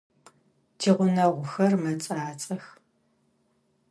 Тигъунэгъухэр мэцӏацӏэх.